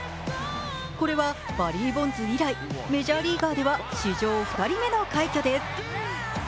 これはバリー・ボンズ以来、メジャーリーガーでは史上２人目の快挙です。